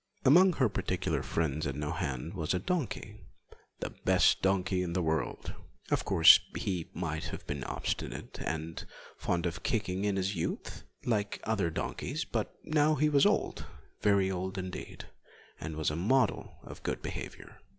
Among her particular friends at Nohant was a donkey the best donkey in the world. Of course, he might have been obstinate and fond of kicking in his youth, like some other donkeys; but now he was old, very old indeed, and was a model of good behaviour.